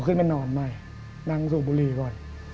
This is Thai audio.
ขึ้นมานอนไม่นั่งสูบบุหรี่ก่อน